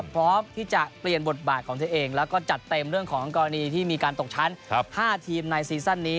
พร้อมที่จะเปลี่ยนบทบาทของเธอเองแล้วก็จัดเต็มเรื่องของกรณีที่มีการตกชั้น๕ทีมในซีซั่นนี้